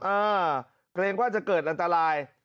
เกรงว่าจะเกิดอันตราย